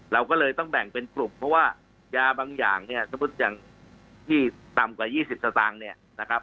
เราก็เลยต้องแบ่งเป็นกลุ่มเพราะว่ายาบางอย่างเนี่ยสมมุติอย่างที่ต่ำกว่า๒๐สตางค์เนี่ยนะครับ